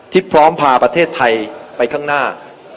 พร้อมพาประเทศไทยไปข้างหน้า